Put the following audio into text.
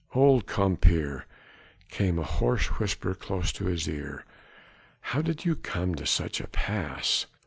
"Old compeer!" came in a hoarse whisper close to his ear, "how did you come to such a pass?"